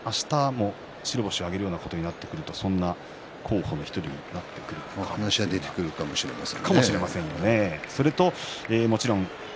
あしたも白星を挙げるようなことになるとそんな候補の１人になってくるかもしれません。